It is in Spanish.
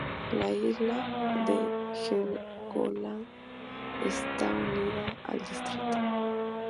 La isla de Helgoland está unida al distrito.